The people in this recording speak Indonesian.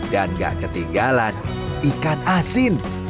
dan gak ketinggalan ikan asin